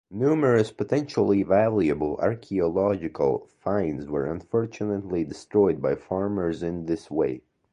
Numerous potentially valuable archaeological finds were unfortunately destroyed by farmers in this way.